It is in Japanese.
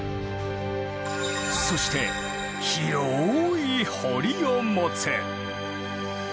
そして広い堀を持つ。